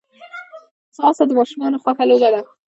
ځغاسته د ماشومانو خوښه لوبه ده